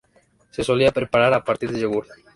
Se solía preparar a partir de yogurt.